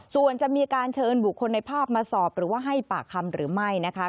ส่วนจะมีการเชิญบุคคลในภาพมาสอบหรือว่าให้ปากคำหรือไม่นะคะ